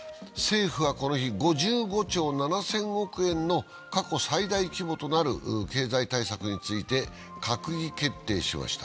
政府はこの日、５５兆７０００億円の過去最大規模となる経済対策について閣議決定しました。